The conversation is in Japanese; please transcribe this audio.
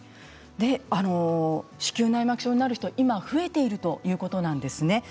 子宮内膜症になる人は今増えているということなんですね。